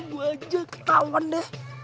gue ajak kawan deh